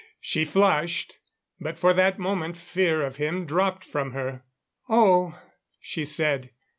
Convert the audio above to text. She flushed; but for that moment fear of him dropped from her. "Oh," she said.